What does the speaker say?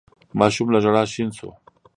ماشوم له ژړا شين شو.